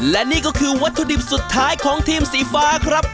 และนี่ก็คือวัตถุดิบสุดท้ายของทีมสีฟ้าครับ